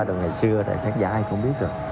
rồi ngày xưa tại khán giả ai cũng biết rồi